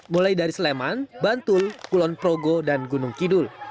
mulai dari sleman bantul kulon progo dan gunung kidul